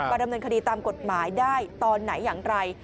ดำเนินคดีตามกฎหมายได้ตอนไหนอย่างไร